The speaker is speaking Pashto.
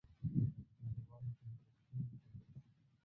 نړیوالو ته دې پښتو وښودل سي.